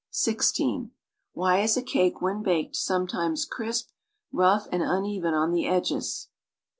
^"hy is a cake when baked sometimes crisp, rough and uneven on the edges?